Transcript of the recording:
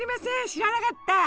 知らなかった！